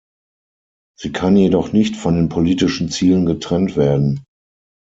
Sie kann jedoch nicht von den politischen Zielen getrennt werden.